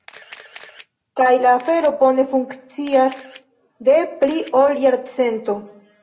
Kaj la afero bone funkcias de pli ol jarcento.